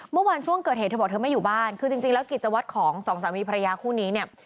เมื่อวานช่วงเกิดเหตุเขาบอกเธอไม่อยู่บ้าน